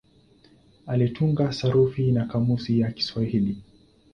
Alitunga sarufi na kamusi ya Kiswahili.